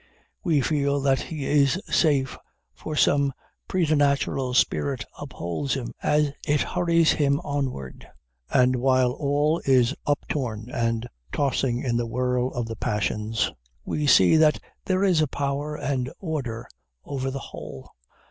We feel that he is safe, for some preternatural spirit upholds him as it hurries him onward; and while all is uptorn and tossing in the whirl of the passions, we see that there is a power and order over the whole.